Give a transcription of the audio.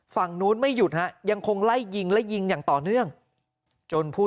ฝั่งนู้นไม่หยุดฮะยังคงไล่ยิงและยิงอย่างต่อเนื่องจนผู้